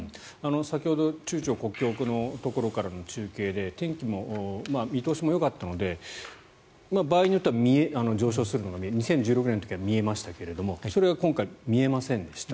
先ほど中朝国境のところからの中継で天気も、見通しもよかったので場合によっては上昇するのが２０１６年の時は見えましたがそれが今回は見えませんでした。